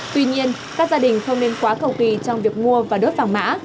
tuy nhiên các gia đình không nên quá cầu tùy trong việc mua và đốt vàng mã